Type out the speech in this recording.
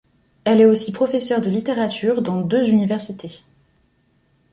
Elle est aussi professeure de littérature dans deux universités.